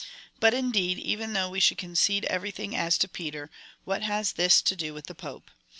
But indeed, even though we should concede everything as to Peter, what has this to do with the Pope